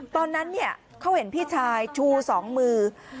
ตอนนั้นเขาเห็นพี่ชายชู๒มือ